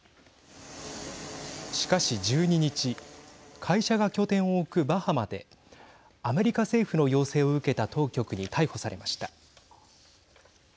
しかし１２日会社が拠点を置くバハマでアメリカ政府の要請を受けた当局に逮捕されました。